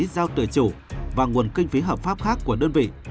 giao tự chủ và nguồn kinh phí hợp pháp khác của đơn vị